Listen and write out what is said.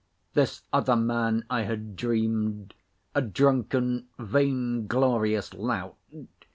This other man I had dreamed A drunken, vain glorious lout.